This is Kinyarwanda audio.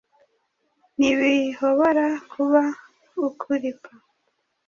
Ntibihobora kuba ukuripa